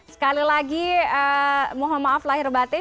sekali lagi mohon maaf lahir batin